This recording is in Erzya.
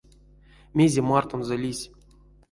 Мезе мартонзо лиссь?